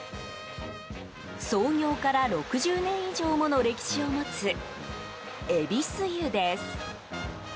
創業から６０年以上もの歴史を持つ、戎湯です。